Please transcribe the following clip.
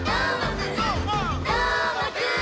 「どーもくん！」